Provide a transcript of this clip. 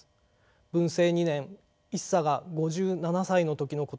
文政２年一茶が５７歳の時のことです。